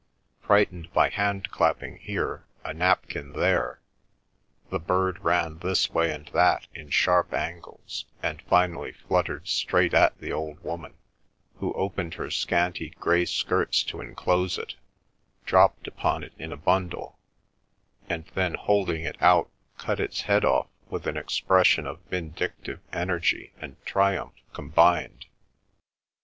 Frightened by hand clapping here, a napkin there, the bird ran this way and that in sharp angles, and finally fluttered straight at the old woman, who opened her scanty grey skirts to enclose it, dropped upon it in a bundle, and then holding it out cut its head off with an expression of vindictive energy and triumph combined.